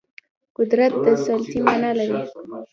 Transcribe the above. قدرت د سلطې معنا لري